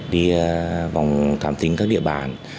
đi vòng thảm tính các địa bản